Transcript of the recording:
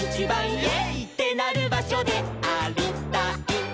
「イェイ！ってなるばしょでありたいいえい！」